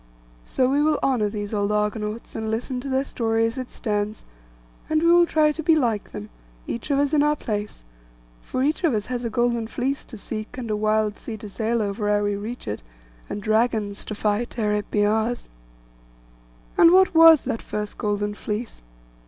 So we will honour these old Argonauts, and listen to their story as it stands; and we will try to be like them, each of us in our place; for each of us has a Golden Fleece to seek, and a wild sea to sail over ere we reach it, and dragons to fight ere it be ours. And what was that first Golden Fleece?